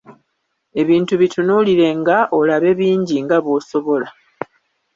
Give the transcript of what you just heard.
Ebintu bitunuulirenga olabe bingi nga bw'osobola.